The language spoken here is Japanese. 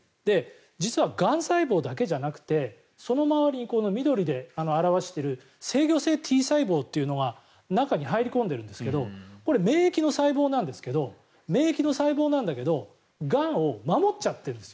実は、がん細胞だけじゃなくてその周りに緑で表している制御性Ｔ細胞というのが中に入り込んでるんですけどこれ、免疫の細胞なんですががんを守っちゃってるんです。